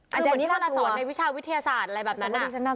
อันนี้เวลาสอนในวิชาวิทยาศาสตร์อะไรแบบนั้น